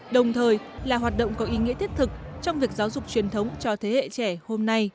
đồng thời là hoạt động có ý nghĩa thiết thực trong việc giáo dục truyền thống cho thế hệ trẻ hôm nay